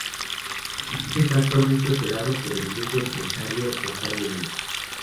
El servicio está actualmente operado por el grupo empresario Rosario Bus.